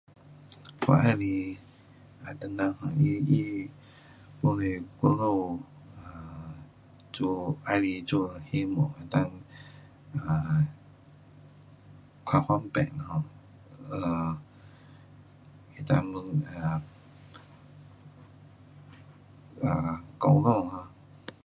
我喜欢唐人他，他，就是我们做，喜欢做的，希望能够，较方便 um，啊，能够讲 um um 沟通 um